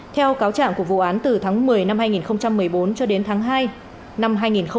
theo cáo trạng của vụ án từ tháng một mươi năm hai nghìn một mươi bốn cho đến tháng hai năm hai nghìn một mươi bảy